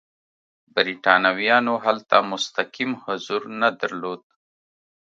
برېټانویانو هلته مستقیم حضور نه درلود.